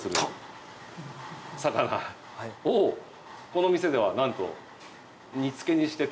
この店ではなんと。